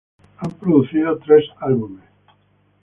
Han producido tres álbumes.